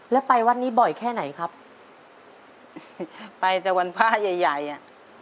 แล้วไปวัดนี้บ่อยแค่ไหนครับไปแต่วันพระใหญ่ใหญ่อ่ะ